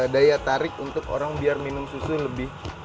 daya tarik untuk orang biar minum susu lebih